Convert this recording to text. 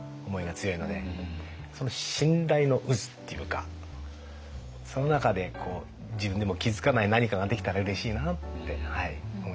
その信頼の渦っていうかその中で自分でも気づかない何かができたらうれしいなって思います。